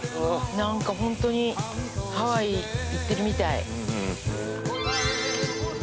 何かホントにハワイ行ってるみたい。